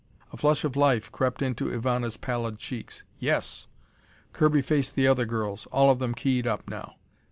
A flush of life crept into Ivana's pallid cheeks. "Yes!" Kirby faced the other girls, all of them keyed up now.